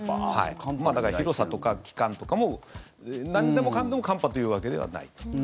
だから広さとか期間とかもなんでもかんでも寒波というわけではないと。